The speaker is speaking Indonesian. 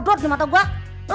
dut di mata gue